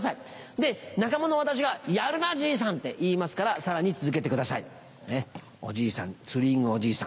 で仲間の私が「やるなじいさん」って言いますからさらに続けてくださいねっツーリングおじいさん。